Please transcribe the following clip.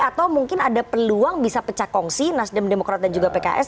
atau mungkin ada peluang bisa pecah kongsi nasdem demokrat dan juga pks